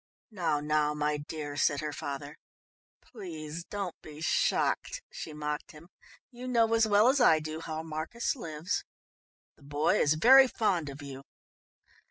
"Now, now, my dear," said her father. "Please don't be shocked," she mocked him. "You know as well as I do how Marcus lives." "The boy is very fond of you."